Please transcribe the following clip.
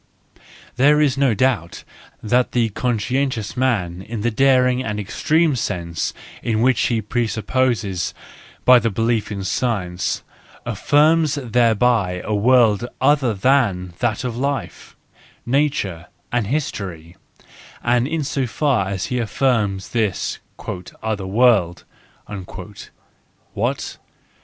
There is no doubt that the conscientious man in the daring and extreme sense in which he is presupposed by the belief in science, affirms thereby a world other than that of life, nature, and history ; and in so far as he affirms this " other world" what?